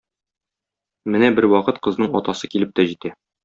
Менә бервакыт кызның атасы килеп тә җитә.